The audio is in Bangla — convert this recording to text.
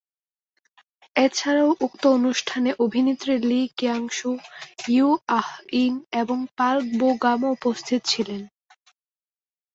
এছাড়াও উক্ত অনুষ্ঠানে অভিনেত্রী লি কিয়াং-সু, ইয়ু আহ-ইন এবং পার্ক বো-গামও উপস্থিত ছিলেন।